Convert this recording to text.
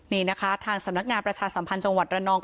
นี่นะคะทางสำนักงานประชาสัมพันธ์จังหวัดระนอง